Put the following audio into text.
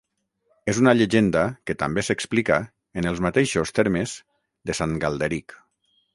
És una llegenda que també s'explica, en els mateixos termes, de Sant Galderic.